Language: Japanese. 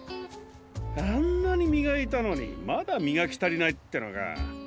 あんなにみがいたのにまだみがきたりないってのか。